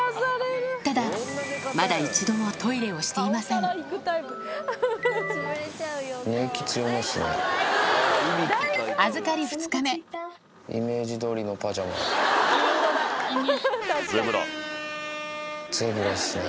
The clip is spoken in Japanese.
ただまだ一度もトイレをしていませんゼブラっすね。